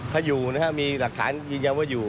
เขาอยู่นะครับมีหลักฐานยืนยันว่าอยู่